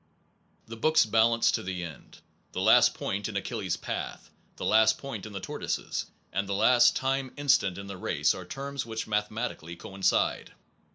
The books balance to the end. The last point in Achilles s path, the last point in the tortoise s, and the last time instant in the race are terms which mathe matically coincide.